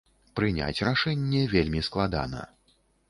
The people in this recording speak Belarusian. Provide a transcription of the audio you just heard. Прыняць рашэнне вельмі складана.